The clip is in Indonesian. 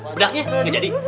udah gak jadi